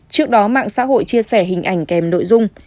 trước đó mạng xã hội chia sẻ hình ảnh kèm nội dung